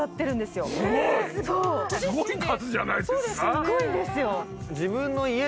すごいんですよ。